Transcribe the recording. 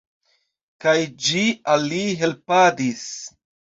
Kaj ĝi al li helpadis.